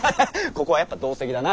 ここはやっぱ同席だな。